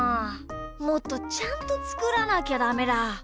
もっとちゃんとつくらなきゃダメだ。